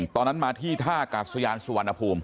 ตอนนั้นมาที่ท่ากาศยานสุวรรณภูมิ